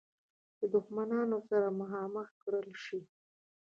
له دښمنانو سره مخامخ کړه شي.